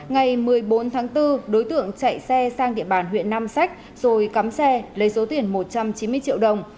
ngày một mươi bốn tháng bốn đối tượng chạy xe sang địa bàn huyện nam sách rồi cắm xe lấy số tiền một trăm chín mươi triệu đồng